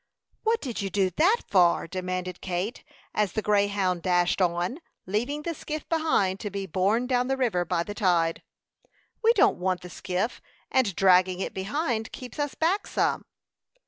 "What did you do that for?" demanded Kate, as the Greyhound dashed on, leaving the skiff behind to be borne down the river by the tide. "We don't want the skiff, and dragging it behind keeps us back some."